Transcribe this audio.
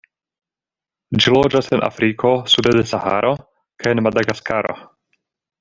Ĝi loĝas en Afriko sude de Saharo kaj en Madagaskaro.